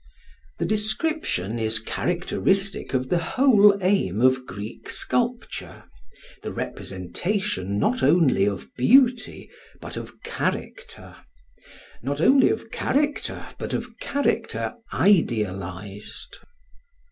The description is characteristic of the whole aim of Greek sculpture, the representation not only of beauty, but of character, not only of character but of character idealised.